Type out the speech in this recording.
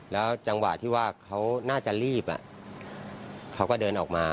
แล้วจังหวะที่ว่าเขาน่าจะรีบเขาก็เดินออกมา